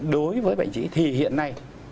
đối với bệnh trí thì hiện nay